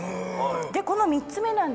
でこの３つ目なんですが。